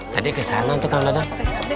tadi ke sana untuk kang dadang